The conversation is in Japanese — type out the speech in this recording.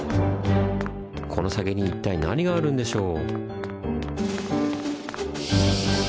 この先に一体何があるんでしょう？